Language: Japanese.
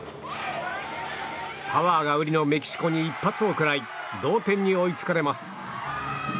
パワーが売りのメキシコに一発を食らい同点に追いつかれます。